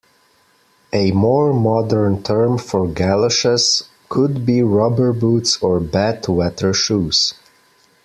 A more modern term for galoshes could be rubber boots or bad weather shoes.